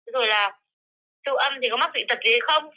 rồi là siêu âm thì có mắc bị tật gì hay không